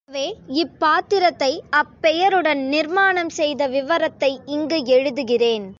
ஆகவே, இப்பாத்திரத்தை அப் பெயருடன் நிர்மாணம் செய்த விவரத்தை இங்கு எழுதுகிறேன்.